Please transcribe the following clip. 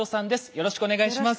よろしくお願いします。